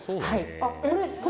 はい。